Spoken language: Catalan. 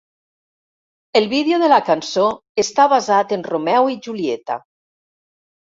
El vídeo de la cançó està basat en Romeu i Julieta.